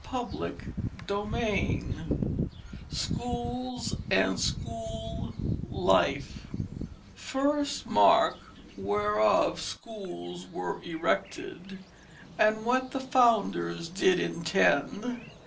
CHAPTER III SCHOOLS AND SCHOOL LIFE _First mark whereof scholes were erected, And what the founders did intend.